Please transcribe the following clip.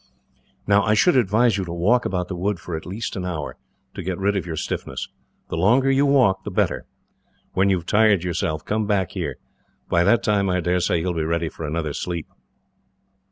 "Now, I should advise you to walk about the wood for at least an hour, to get rid of your stiffness. The longer you walk, the better. When you have tired yourself, come back here. By that time, I daresay you will be ready for another sleep.